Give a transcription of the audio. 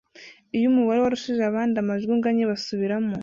iyo umubare w’abarushije abandi amajwi unganye basubiramo.